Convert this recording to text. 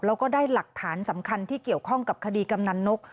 แล้วก็ได้หลักฐานสำคัญที่เกี่ยวข้องกับคดีกำนันนก